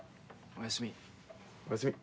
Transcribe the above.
おやすみ。